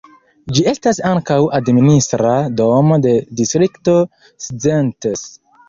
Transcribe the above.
Ĝi estas ankaŭ administra domo de Distrikto Szentes.